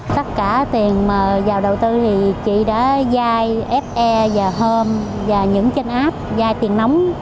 tất cả tiền mà vào đầu tư thì chị đã dai fe và hom và những trên app dai tiền nóng